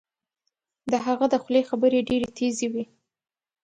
د هغه د خولې خبرې ډیرې تېزې وې